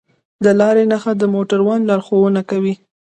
د لارې نښه د موټروان لارښوونه کوي.